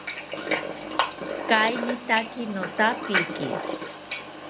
Kainitaki nothapiki